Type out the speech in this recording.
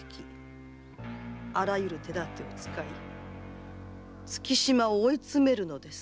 あらゆる手だてを使い月島を追い詰めるのです。